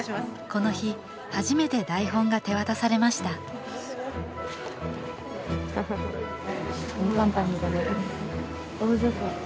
この日初めて台本が手渡されましたね。